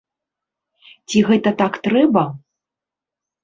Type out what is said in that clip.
Ці гэта так трэба?